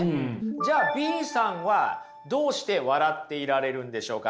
じゃあＢさんはどうして笑っていられるんでしょうか？